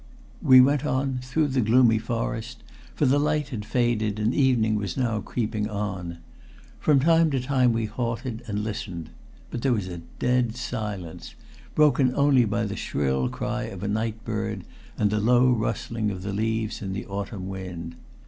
We went on through the gloomy forest, for the light had faded and evening was now creeping on. From time to time we halted and listened. But there was a dead silence, broken only by the shrill cry of a night bird and the low rustling of the leaves in the autumn wind.